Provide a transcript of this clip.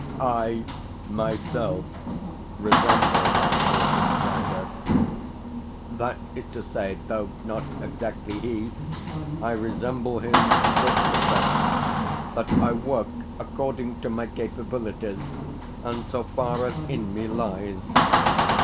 I myself resemble that organ grinder. That is to say, though not exactly he, I resemble him in this respect, that I work according to my capabilities, and so far as in me lies.